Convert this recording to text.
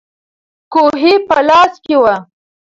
کوهی په لاس کې وو.